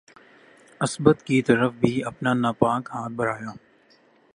عصمت کی طرف بھی اپنا ناپاک ہاتھ بڑھایا